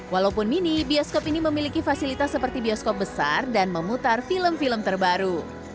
walaupun mini bioskop ini memiliki fasilitas seperti bioskop besar dan memutar film film terbaru